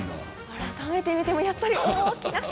改めて見てもやっぱり大きな水槽で。